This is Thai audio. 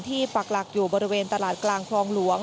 ปักหลักอยู่บริเวณตลาดกลางคลองหลวง